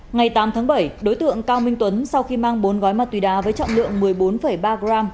ngày tám tháng bảy đối tượng cao minh tuấn sau khi mang bốn gói ma túy đá với trọng lượng một mươi bốn ba gram